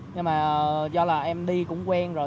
nhưng mà do là em đi cũng quen rồi